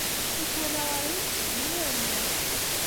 Ur t-walaɣ ara akk seg yimir-nni.